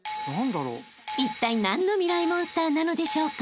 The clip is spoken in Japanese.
［いったい何のミライ☆モンスターなのでしょうか？］